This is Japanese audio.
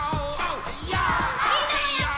みんなもやって！